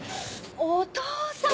お父さん！